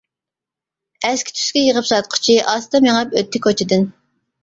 ئەسكى-تۈسكى يىغىپ ساتقۇچى، ئاستا مېڭىپ ئۆتتى كوچىدىن.